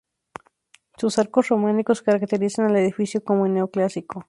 Sus arcos románicos caracterizan al edificio como neoclásico.